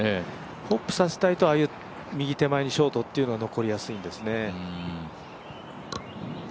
ホップさせたいと、ああいう右手前にショートというのが残りやすいんですね。